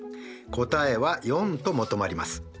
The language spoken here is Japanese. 答えは４と求まります。